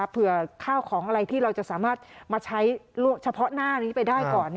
ข้าวของอะไรที่เราจะสามารถมาใช้เฉพาะหน้านี้ไปได้ก่อน